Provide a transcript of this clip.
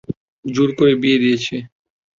জোর করে বিয়ে দিয়েছে।